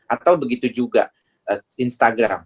atau begitu juga instagram